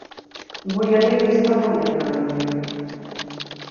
Бо яны і без таго нятанныя.